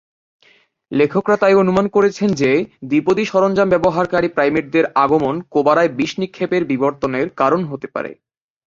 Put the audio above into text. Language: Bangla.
লেখকরা তাই অনুমান করেছেন যে দ্বিপদী, সরঞ্জাম-ব্যবহারকারী প্রাইমেটদের আগমন কোবারায় বিষ নিক্ষেপের বিবর্তনের কারণ হতে পারে।